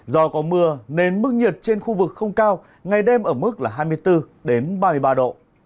do có mưa nên mức nhiệt trên khu vực không cao ngày đêm ở mức là hai mươi bốn ba mươi ba độ